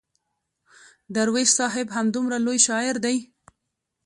درویش صاحب همدومره لوی شاعر دی.